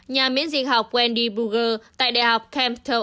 nhà miễn dịch học wendy brugger tại đại học camp town